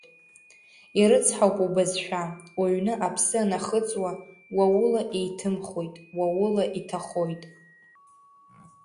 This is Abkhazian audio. Ирыцҳауп убызшәа, уҩны аԥсы анахыҵуа, уа ула еиҭымхоит, уа ула иҭахоит.